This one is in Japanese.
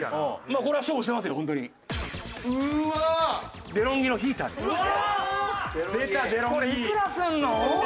これいくらするの！？